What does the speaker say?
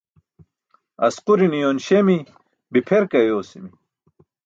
Asqurin uyoon śemi, bipher ke ayosimi.